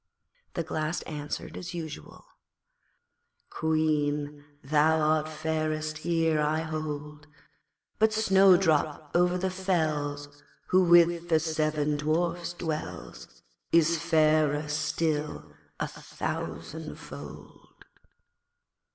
the Glass answered as usual 'Queen, thou art fairest here, I hold, But Snowdrop over the fells, Who with the seven Dwarfs dwells, Is fairer still a thousandfold.'